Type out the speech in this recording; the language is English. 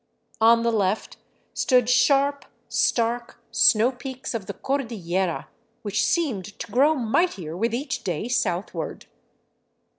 On the left stood sharp, stark snow peaks of the Cordillera, which seemed to grow mightier with each day southward.